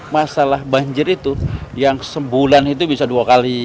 masalah banjir itu yang sebulan itu bisa dua kali